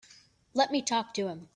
Let me talk to him.